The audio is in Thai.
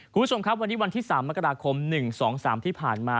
คุณผู้ชมครับวันนี้วันที่๓มกราคม๑๒๓ที่ผ่านมา